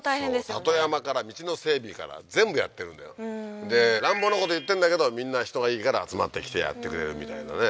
里山から道の整備から全部やってるんだよで乱暴なこと言ってんだけどみんな人がいいから集まってきてやってくれるみたいなね